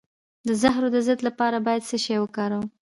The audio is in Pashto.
د زهرو د ضد لپاره باید څه شی وکاروم؟